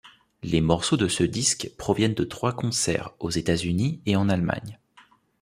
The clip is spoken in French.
Les morceaux de ce disque proviennent de trois concerts aux États-Unis et en Allemagne.